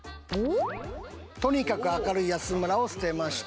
とにかく明るい安村を捨てました。